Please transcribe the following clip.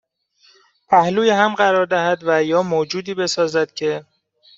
پهلوی هم قرار دهد و یا موجودی بسازد که